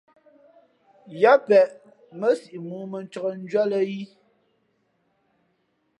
Yáá peʼ mά siʼ mōō mά mᾱncāk njwíátlᾱ í.